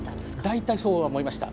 大体そう思いました。